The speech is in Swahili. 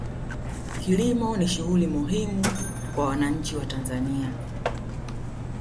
kilimo ni shughuli muhimu kwa wananchi wa tanzania